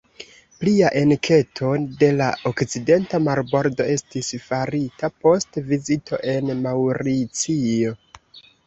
Plia enketo de la okcidenta marbordo estis farita post vizito en Maŭricio.